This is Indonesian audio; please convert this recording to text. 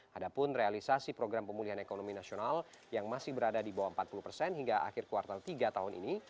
hadapun realisasi program pemulihan ekonomi nasional yang masih berada di bawah empat puluh persen hingga akhir kuartal tiga tahun ini